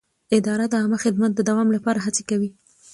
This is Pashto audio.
اداره د عامه خدمت د دوام لپاره هڅه کوي.